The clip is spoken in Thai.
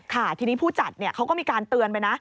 ค่ะทีนี้ผู้จัดเขาก็มีการเตือนไปนะ